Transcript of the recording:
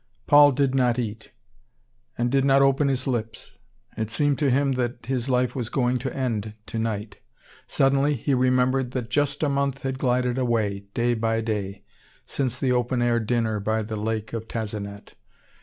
Paul did not eat, and did not open his lips. It seemed to him that his life was going to end to night. Suddenly he remembered that just a month had glided away, day by day, since the open air dinner by the lake of Tazenat.